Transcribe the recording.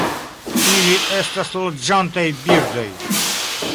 Ili estas loĝantaj birdoj.